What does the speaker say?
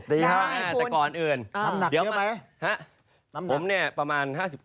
ดีครับคุณน้ำหนักเยอะไหมน้ำหนักผมเนี่ยประมาณ๕๐